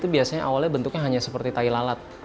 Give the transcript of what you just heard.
biasanya awalnya bentuknya hanya seperti tai lalat